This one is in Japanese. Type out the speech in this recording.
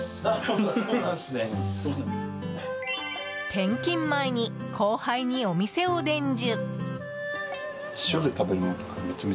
転勤前に後輩にお店を伝授。